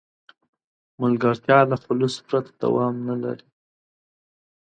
ملګرتیا له خلوص پرته دوام نه لري.